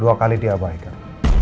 dua kali diabaikan